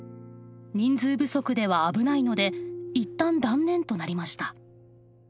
人数不足では危ないのでいったん断念となりました。